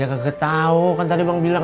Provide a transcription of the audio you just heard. ya kaget tau kan tadi bang bilang